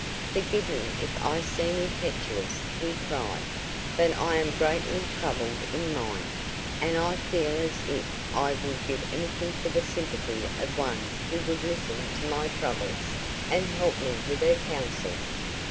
"Forgive me if I seem impetuous," he cried, "but I am greatly troubled in mind, and I feel as if I would give anything for the sympathy of one who would listen to my troubles, and help me with her counsel."